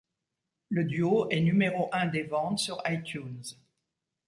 Le duo est numéro un des ventes sur iTunes.